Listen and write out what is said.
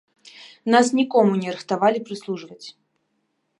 Нас нікому не рыхтавалі прыслужваць.